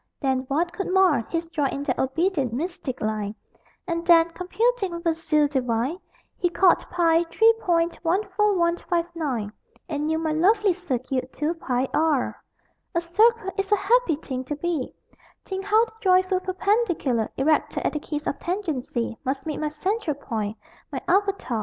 Then what could mar His joy in that obedient mystic line; And then, computing with a zeal divine, He called Ï 3 point 14159 And knew my lovely circuit 2 Ï r! A circle is a happy thing to be Think how the joyful perpendicular Erected at the kiss of tangency Must meet my central point, my avatar!